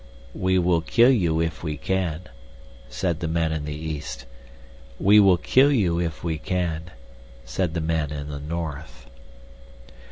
"We will kill you if we can," said the men in the east. "We will kill you if we can," said the men in the north.